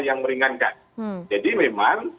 yang meringankan jadi memang